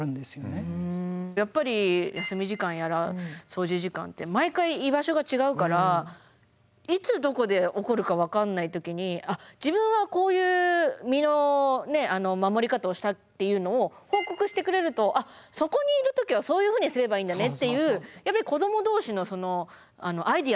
やっぱり休み時間やら掃除時間って毎回居場所が違うからいつどこで起こるか分かんない時に「あっ自分はこういう身の守り方をした」っていうのを報告してくれると「あっそこにいる時はそういうふうにすればいいんだね」っていうやっぱり子ども同士のアイデアとかも全然違うじゃないですか。